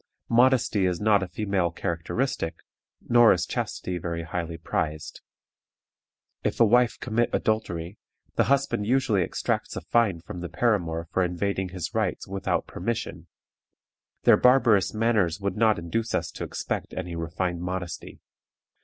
Modesty is not a female characteristic, nor is chastity very highly prized. If a wife commit adultery, the husband usually exacts a fine from the paramour for invading his rights "without permission." Their barbarous manners would not induce us to expect any refined modesty.